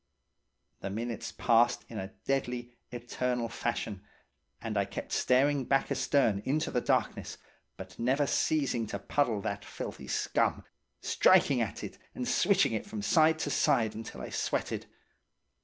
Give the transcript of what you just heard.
"The minutes passed in a deadly, eternal fashion, and I kept staring back astern into the darkness but never ceasing to puddle that filthy scum, striking at it and switching it from side to side until I sweated.